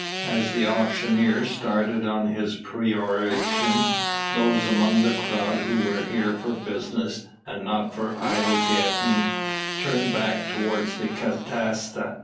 As the auctioneer started on his peroration those among the crowd who were here for business, and not for idle gaping, turned back towards the catasta.